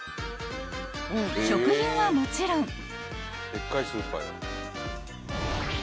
［食品はもちろん］